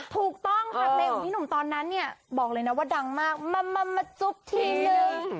ถูกต้องค่ะเพลงของพี่หนุ่มตอนนั้นเนี่ยบอกเลยนะว่าดังมากมาจุ๊บทีนึง